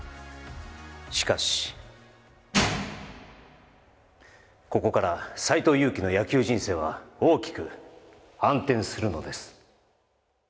しかしここから斎藤佑樹の野球人生は大きく暗転するのです